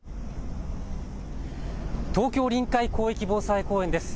東京臨海広域防災公園です。